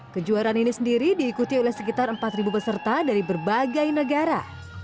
kejuaraan ini sendiri diikuti oleh sekitar empat peserta dari berbagai negara